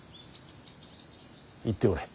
行っておれ。